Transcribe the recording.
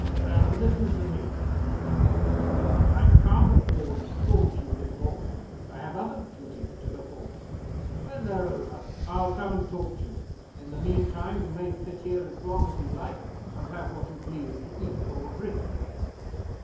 "Now, listen to me," said Mr. Dunbar. "I can't afford to talk to you this morning; I have other duties to perform: When they're over, I'll come and talk to you. In the meantime, you may sit here as long as you like, and have what you please to eat or drink."